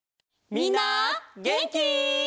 みんなげんき？